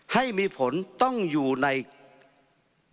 ให้มีผลต้องอยู่ในปัญหา